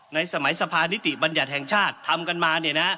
ในสมัยสภานิติบัญญัติแห่งชาติทำกันมา